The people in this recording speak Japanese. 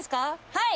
はい。